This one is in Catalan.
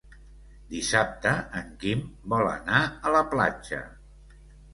Dissabte en Quim vol anar a la platja.